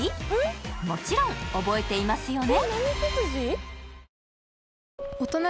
もちろん覚えていますよね？